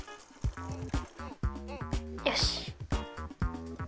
よし。